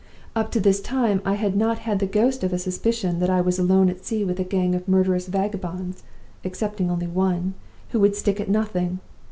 "Up to this time I had not had the ghost of a suspicion that I was alone at sea with a gang of murderous vagabonds (excepting one only) who would stick at nothing.